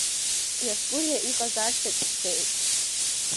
Диоскәриа иҟазарҭаҿ снеит.